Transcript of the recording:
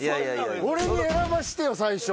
俺に選ばしてよ最初。